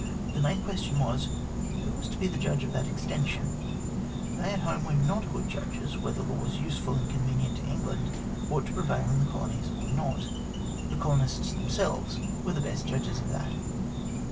The main question was, Who was to be the judge of that extension ? They at home were not good judges whether laws useful and convenient to England ought to prevail in the colonies or not. The colonists themselves were the best judges of that.